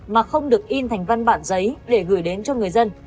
mà không được in thành văn bản giấy để gửi đến cho người dân